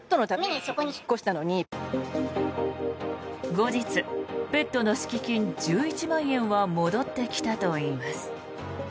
後日、ペットの敷金１１万円は戻ってきたといいます。